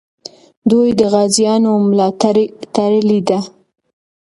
دوی د غازیانو ملا تړلې ده.